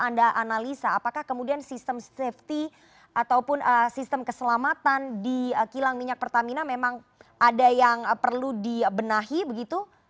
anda analisa apakah kemudian sistem safety ataupun sistem keselamatan di kilang minyak pertamina memang ada yang perlu dibenahi begitu